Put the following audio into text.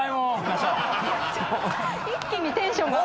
一気にテンションが。